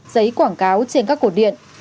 giấy quảng cáo trên các cổ điện